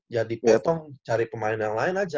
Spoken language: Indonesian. jadi potong cari pemain yang lain aja